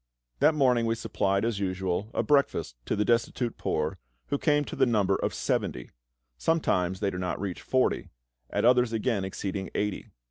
That morning we supplied, as usual, a breakfast to the destitute poor, who came to the number of seventy. Sometimes they do not reach forty, at others again exceeding eighty.